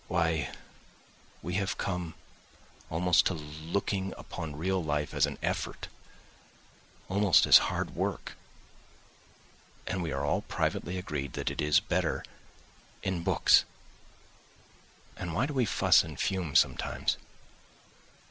Why, we have come almost to looking upon real life as an effort, almost as hard work, and we are all privately agreed that it is better in books. And why do we fuss and fume sometimes?